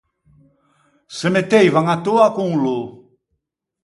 Se metteivan à töa con lô.